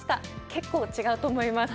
結構違うと思います。